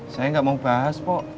saya gak mau bahas pok